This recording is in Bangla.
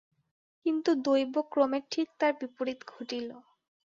কিন্তু দৈবক্রমে ঠিক তার বিপরীত ঘটিল।